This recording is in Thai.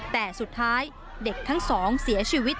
แต่สุดท้ายเด็กทั้งสองเสียชีวิต